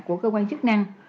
của cơ quan chức năng